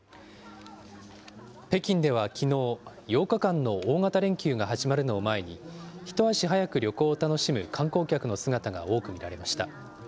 北京ではきのう、８日間の大型連休が始まるのを前に、一足早く旅行を楽しむ観光客の姿が多く見られました。